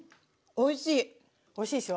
おいしいでしょ？